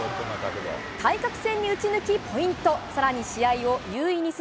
対角線に打ち抜き、ポイント。